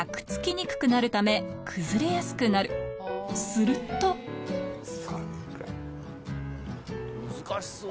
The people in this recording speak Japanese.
すると難しそう！